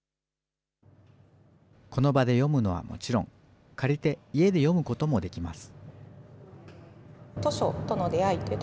この場で読むのはもちろん、借りて家で読むこともできます。